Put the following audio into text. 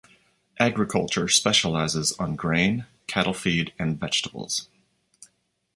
Agriculture specialises on grain, cattle feed and vegetables.